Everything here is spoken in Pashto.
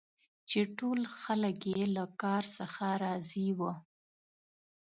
چي ټول خلک یې له کار څخه راضي وه.